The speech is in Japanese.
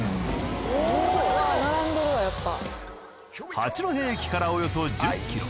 八戸駅からおよそ１０キロ。